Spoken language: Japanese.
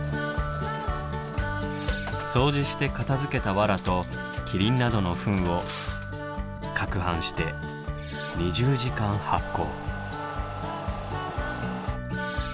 掃除して片づけた「わら」とキリンなどの「ふん」をかくはんして２０時間発酵。